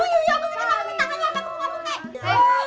ah enggak enggak enggak